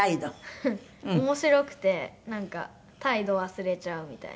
面白くてなんか態度忘れちゃうみたいな。